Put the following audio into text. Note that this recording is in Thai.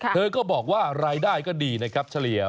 เธอก็บอกว่ารายได้ก็ดีนะครับเฉลี่ย